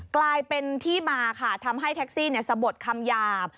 กลายเป็นที่มาค่ะทำให้แท็กซี่สะบดคำหยาบ